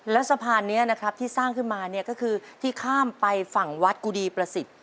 แล้วสะพานนี้นะครับที่สร้างขึ้นมาเนี่ยก็คือที่ข้ามไปฝั่งวัดกุดีประสิทธิ์